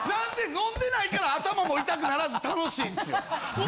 飲んでないから頭も痛くならず楽しいんすよ。